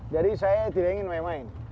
jadi saya tidak ingin main main